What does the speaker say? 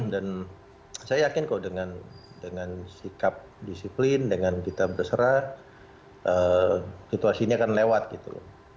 dan saya yakin kok dengan dengan sikap disiplin dengan kita berserah situasinya akan lewat gitu